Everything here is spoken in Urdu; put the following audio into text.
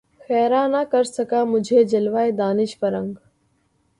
خیرہ نہ کر سکا مجھے جلوۂ دانش فرنگ